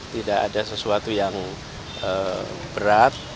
tidak ada sesuatu yang berat